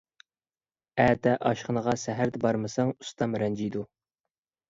ئەتە ئاشخانىغا سەھەردە بارمىساڭ ئۇستام رەنجىيدۇ.